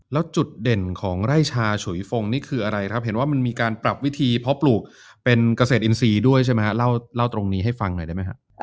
แล้วจุดเด่นของไร่ชาฉุยฟงนี่คืออะไรครับเห็นว่ามันมีการปรับวิธีเพาะปลูกเป็นเกษตรอินทรีย์ด้วยใช่ไหมฮะเล่าตรงนี้ให้ฟังหน่อยได้ไหมฮะ